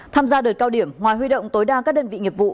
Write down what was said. tham gia đợt cao điểm ngoài huy động tối đa các đơn vị nghiệp vụ